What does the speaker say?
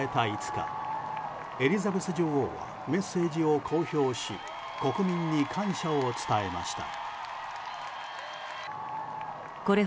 ５日エリザベス女王はメッセージを公表し国民に感謝を伝えました。